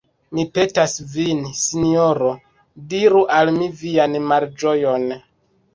Mi petas vin, sinjoro, diru al mi vian malĝojon!